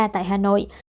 tại hà nội